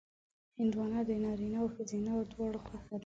هندوانه د نارینهوو او ښځینهوو دواړو خوښه ده.